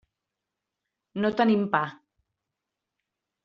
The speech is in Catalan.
No tenim pa.